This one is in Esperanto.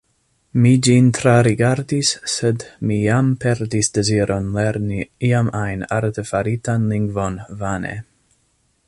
Mi ĝin trarigardis, sed mi jam perdis deziron lerni iam ajn artefaritan lingvon vane.